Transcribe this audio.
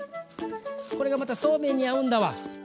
これがまたそうめんに合うんだわ。